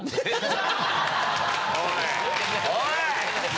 おい！